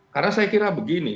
karena saya kira begini